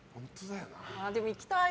でも、行きたい。